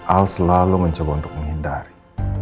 al selalu mencoba untuk menghindari